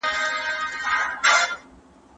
ښځه به څنګه معلمي کوي او هغه هم د انګلیسي ژبې؟